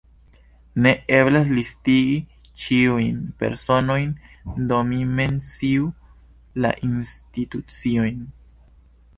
Ne eblas listigi ĉiujn personojn, do mi menciu la instituciojn.